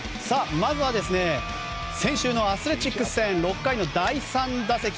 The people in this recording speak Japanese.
まずは先週のアスレチックス戦６回の第３打席。